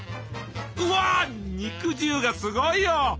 うわ肉汁がすごいよ！